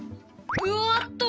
うわっと！